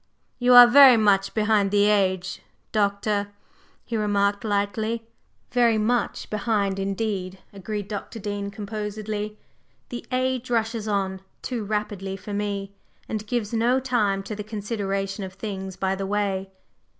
"You are very much behind the age, Doctor," he remarked lightly. "Very much behind indeed," agreed Dr. Dean composedly. "The age rushes on too rapidly for me, and gives no time to the consideration of things by the way.